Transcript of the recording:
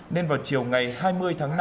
nên vào chiều ngày hai mươi tháng năm